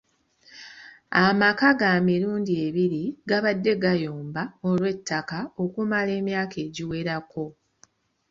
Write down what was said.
Amaka ga mirundi ebiri gabadde gayomba olw'ettaka okumala emyaka egiwerako .